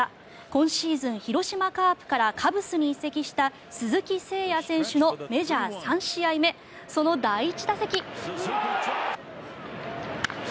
今シーズン広島カープからカブスに移籍した鈴木誠也選手のメジャー３試合目その第１打席。